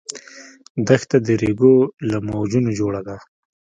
دښته د ریګو له موجونو جوړه ده.